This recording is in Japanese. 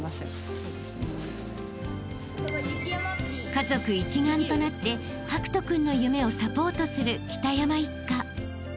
［家族一丸となって博仁君の夢をサポートする北山一家］